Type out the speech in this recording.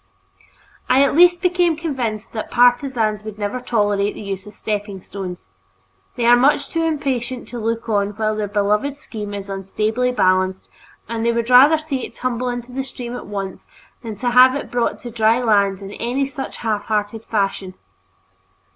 I at least became convinced that partisans would never tolerate the use of stepping stones. They are much too impatient to look on while their beloved scheme is unstably balanced, and they would rather see it tumble into the stream at once than to have it brought to dry land in any such half hearted fashion.